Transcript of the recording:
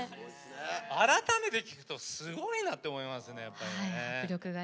改めて聴くとすごいなって思いますよね。